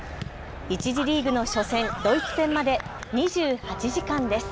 １次リーグの初戦、ドイツ戦まで２８時間です。